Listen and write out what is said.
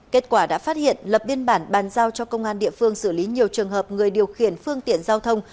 kết quả đã phát hiện lập biên bản bàn giao cho công an địa phương xử lý nhiều trường hợp người điều khiển phương tiện giao thông